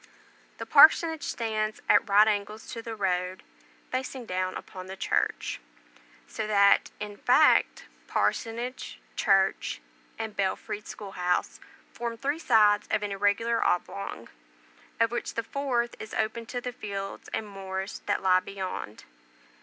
The parsonage stands at right angles to the road, facing down upon the church; so that, in fact, parsonage, church, and belfried school house, form three sides of an irregular oblong, of which the fourth is open to the fields and moors that lie beyond.